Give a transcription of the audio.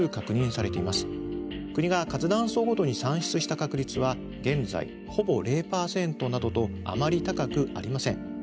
国が活断層ごとに算出した確率は現在ほぼ０％などとあまり高くありません。